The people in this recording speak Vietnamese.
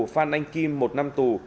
phan anh kim một năm tù